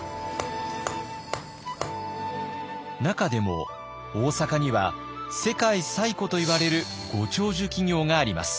中でも大阪には世界最古といわれるご長寿企業があります。